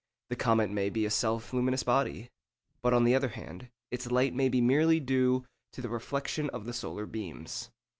The comet may be a self luminous body; but, on the other hand, its light may be due merely to the reflection of the solar beams.